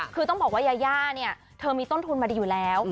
คือต้องบอกว่ายาย่าเนี่ยเธอมีต้นทุนมาดีอยู่แล้ว